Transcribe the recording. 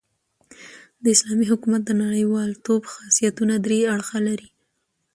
د اسلامي حکومت د نړۍوالتوب خاصیتونه درې اړخه لري.